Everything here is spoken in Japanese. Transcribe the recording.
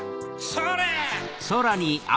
それ！